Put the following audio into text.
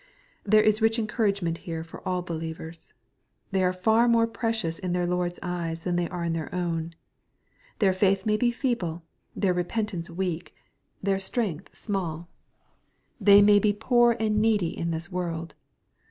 There is rich encouragement here for all believers. They are &r more precious in their Lord's eyes than they are in their own. Their fiuth may be feeble, their repentance weak, their strength small. They may be 140 XXPOSITORT THOUGHTS. poor and needy in this world.